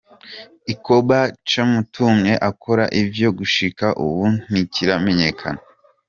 Icoba camutumye akora ivyo gushika ubu ntikiramenyekana.